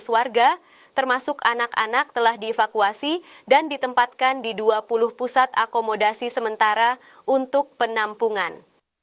tujuh belas warga termasuk anak anak telah dievakuasi dan ditempatkan di dua puluh pusat akomodasi sementara untuk penampungan